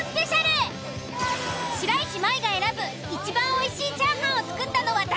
白石麻衣が選ぶいちばんおいしいチャーハンを作ったのは誰？